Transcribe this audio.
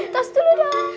tos dulu dong